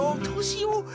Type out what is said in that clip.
どうしよう？